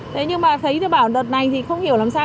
thế nhưng mà thấy bảo đợt này thì không hiểu làm sao